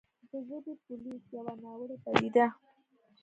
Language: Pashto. د «ژبې پولیس» يوه ناوړې پديده